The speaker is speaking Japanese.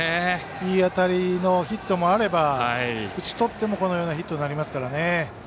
いい当たりのヒットもあれば打ち取っても、このようなヒットになりますからね。